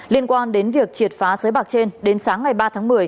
liên quan đến việc triệt phá xới bạc trên đến sáng ngày ba tháng một mươi